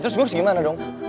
ya terus gue harus gimana dong